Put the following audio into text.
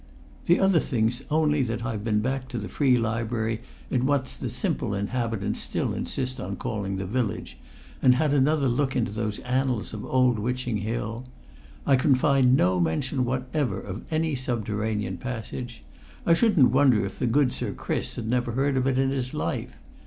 The other thing's only that I've been back to the Free Library in what the simple inhabitants still insist on calling the Village, and had another look into those annals of old Witching Hill. I can find no mention whatever of any subterranean passage. I shouldn't wonder if good Sir Chris had never heard of it in his life.